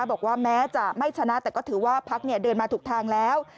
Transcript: บอกว่าแม้จะไม่ชนะแต่ก็ถือว่าพักเดินมาถูกทางแล้ว